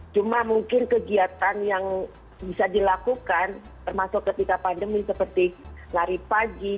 cuma mungkin kegiatan yang bisa dilakukan termasuk ketika pandemi seperti lari pagi